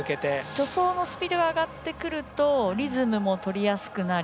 助走のスピードが上がってくるとリズムも取りやすくなり